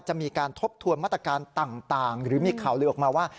จะมีการทบทวนมาตรการต่างหรือมีข่าวลือออกมาว่า